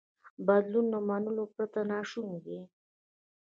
بدلون له منلو پرته ناشونی دی.